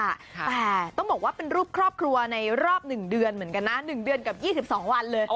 แต่ต้องบอกว่าเป็นรูปครอบครัวในรอบ๑เดือนเหมือนกันนะ๑เดือนกับ๒๒วันเลย